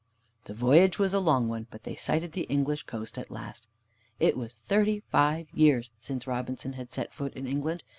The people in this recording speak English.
The voyage was a long one, but they sighted the English coast at last. It was thirty five years since Robinson had set foot in England.